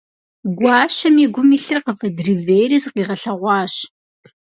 Гуащэм и гум илъыр къыфӀыдривейри, зыкъигъэлъэгъуащ.